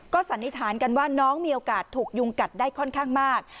สันนิษฐานกันว่าน้องมีโอกาสถูกยุงกัดได้ค่อนข้างมาก